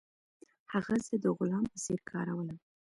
هغه زه د غلام په څیر کارولم.